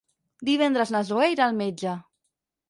Divendres na Zoè irà al metge.